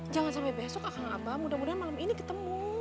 jangan sampai besok akan abah mudah mudahan malam ini ketemu